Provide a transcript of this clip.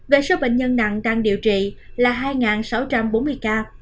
về số bệnh nhân nặng đang điều trị là hai sáu trăm bốn mươi ca